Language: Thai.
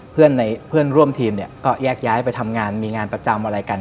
เพื่อนร่วมทีมเนี่ยก็แยกย้ายไปทำงานมีงานประจำอะไรกัน